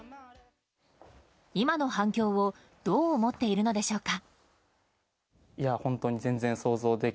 今の反響をどう思っているのでしょうか。